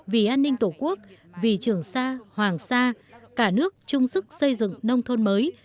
vì an ninh tổ quốc vì trường xa hoàng xa cả nước chung sức xây dựng nông thôn mới